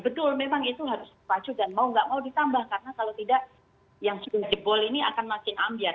betul memang itu harus maju dan mau nggak mau ditambah karena kalau tidak yang sudah jebol ini akan makin ambiar